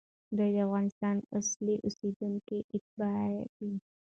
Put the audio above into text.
دوی د افغانستان اصلي اوسېدونکي، اتباع دي،